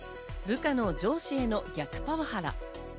部下の上司への逆パワハラ。